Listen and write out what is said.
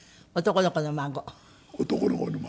男の子の孫。